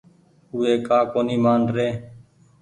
اُو وي ڪآ ڪونيٚ مآن ري۔